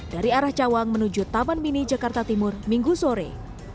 dari arah cawang menuju taman mini jakarta timur minggu sore